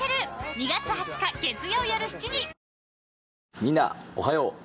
みんなおはよう。